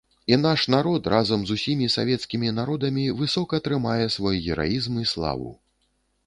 І наш народ, разам з усімі савецкімі народамі, высока трымае свой гераізм і славу.